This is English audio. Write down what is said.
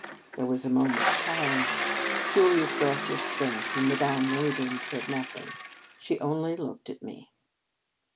There was a moment s silence. Julia s breath was spent, and Madame Rayburn said nothing. She only looked at me.